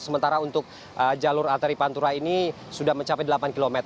sementara untuk jalur arteri pantura ini sudah mencapai delapan km